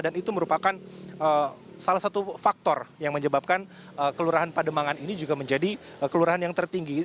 dan itu merupakan salah satu faktor yang menyebabkan kelurahan pademangan ini juga menjadi kelurahan yang tertinggi